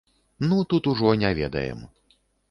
Ну, тут ужо не ведаем.